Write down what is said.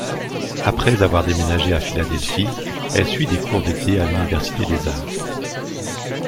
Après avoir déménagé à Philadelphie, elle suit des cours d'été à l'Université des Arts.